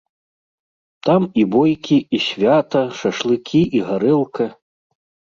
Там і бойкі, і свята, шашлыкі і гарэлка.